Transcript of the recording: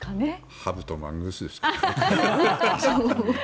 ハブとマングースですかね。